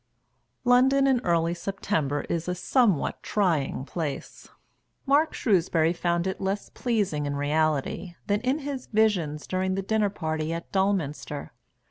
London in early September is a somewhat trying place. Mark Shrewsbury found it less pleasing in reality than in his visions during the dinner party at Dulminster.